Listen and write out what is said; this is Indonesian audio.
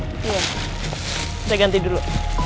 kita ganti dulu